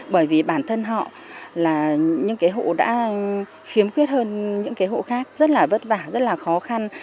bởi vì bản thân họ là những cái hộ đã khiếm khuyết hơn những cái hộ khác rất là vất vả rất là khó khăn